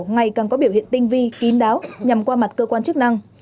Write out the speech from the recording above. ngày càng có biểu hiện tinh vi kín đáo nhằm qua mặt cơ quan chức năng